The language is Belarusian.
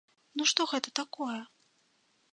Ну што гэта такое?